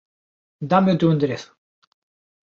Dáme o teu enderezo